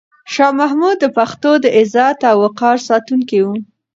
شاه محمود د پښتنو د عزت او وقار ساتونکی و.